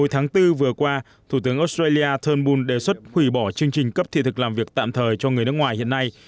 hồi tháng bốn vừa qua thủ tướng australia turnbul đề xuất hủy bỏ chương trình cấp thị thực làm việc tạm thời cho người nước ngoài hiện nay